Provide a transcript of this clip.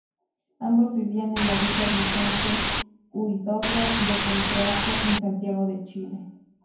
Ambos vivían en la Villa Vicente Huidobro de Puente Alto, en Santiago de Chile.